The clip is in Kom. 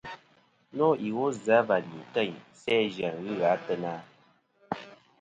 Nô iwo zɨ̀ a va ni teyn sæ zɨ-a ghɨ gha ateyna ?